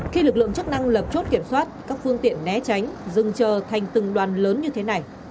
khi lực lượng chức năng lập chốt kiểm soát các phương tiện né tránh dừng chờ thành từng đoàn lớn như thế này